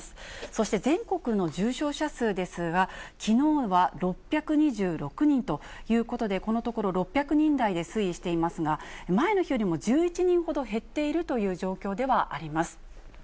そして全国の重症者数ですが、きのうは６２６人ということで、このところ６００人台で推移していますが、前の日よりも１１人ほど減っているという状況ではあります。